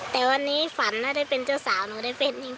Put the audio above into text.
แต่วันนี้ฝันถ้าได้เป็นเจ้าสาวหนูได้เต้นจริง